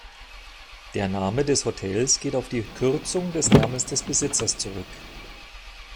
Der Name des Hotels geht auf die Kürzung des Namens des Besitzers zurück.